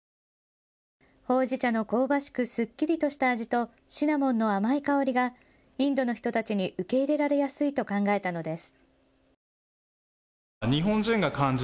ほうじ茶の香ばしく、すっきりとした味とシナモンの甘い香りがインドの人たちに受け入れられやすいと考えたのです。